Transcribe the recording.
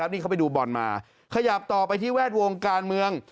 นี่เขาไปดูบอลมาขยับต่อไปที่แวดวงการเมือง